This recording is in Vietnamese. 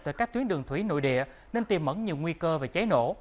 tại các tuyến đường thủy nội địa nên tiềm mẫn nhiều nguy cơ về cháy nổ